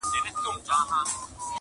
د خپلي مور پوړنی وړي د نن ورځي غازیان-